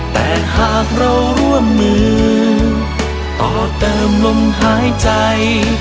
แต่หากเราร่วมมือต่อเติมลมหายใจ